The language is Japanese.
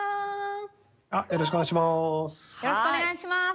よろしくお願いします。